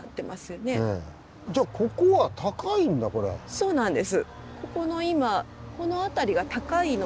そうなんです。